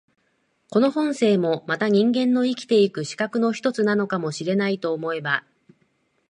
この本性もまた人間の生きて行く資格の一つなのかも知れないと思えば、